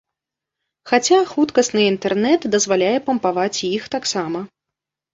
Хаця, хуткасны інтэрнэт дазваляе пампаваць і іх таксама.